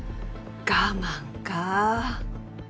我慢かぁ。